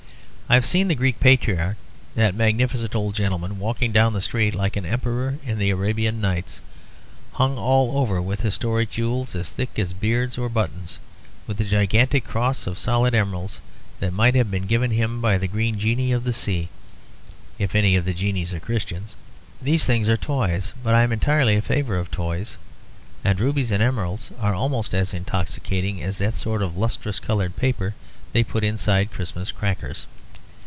I have seen the Greek Patriarch, that magnificent old gentleman, walking down the street like an emperor in the Arabian Nights, hung all over with historic jewels as thick as beads or buttons, with a gigantic cross of solid emeralds that might have been given him by the green genii of the sea, if any of the genii are Christians. These things are toys, but I am entirely in favour of toys; and rubies and emeralds are almost as intoxicating as that sort of lustrous coloured paper they put inside Christmas crackers.